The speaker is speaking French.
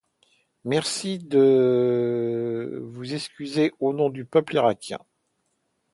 Merci de vous excuser au nom du peuple irakien.